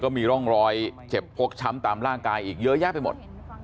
มีร่องรอยเจ็บพกช้ำตามร่างกายอีกเยอะแยะไปหมด